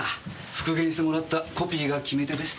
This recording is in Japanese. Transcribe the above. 復元してもらったコピーが決め手でした。